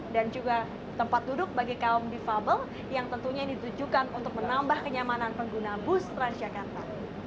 dan juga tempat duduk bagi kaum defable yang tentunya ditujukan untuk menambah kenyamanan pengguna bus transjakarta